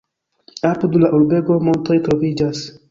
Apud la urbego montoj troviĝas.